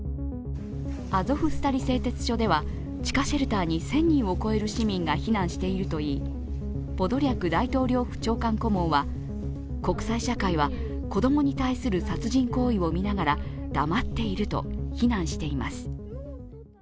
アゾフスタリ製鉄所では地下シェルターに１０００人を超える市民が避難しているといいポドリャク大統領府長官顧問は国際社会は子供に対する殺人行為を見ながら黙っていると非難しています。